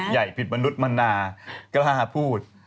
ใหญ่ผิดมนุษย์มนาล้าย๒๒๒๐